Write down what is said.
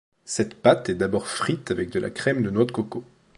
Cette pâte est d'abord frite avec de la crème de noix de coco.